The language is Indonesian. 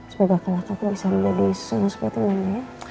semoga kalahkan aku bisa menjadi semuanya seperti mana ya